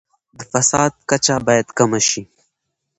د فساد کچه باید کمه شي.